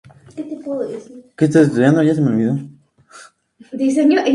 La jugabilidad será totalmente cooperativa, y los eventos dinámicos serán una parte del juego.